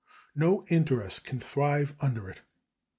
No interest can thrive under it.